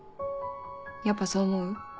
やっぱそう思う？